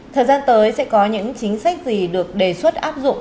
thời gian tới sẽ có những chính sách gì được đề xuất áp dụng